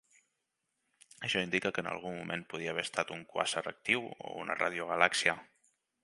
Això indica que en algun moment podia haver estat un quàsar actiu o una radiogalàxia.